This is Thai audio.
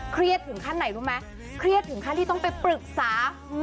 เครียดถึงคั่นในรู้มั้ยที่ต้องไปปรึกษาหมอดูกันเลยค่ะ